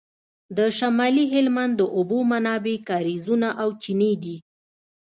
د شمالي هلمند د اوبو منابع کاریزونه او چینې دي